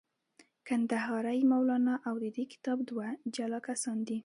کندهاری مولانا او د دې کتاب دوه جلا کسان دي.